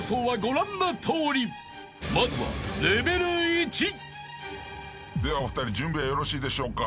［まずはレベル１］ではお二人準備はよろしいでしょうか？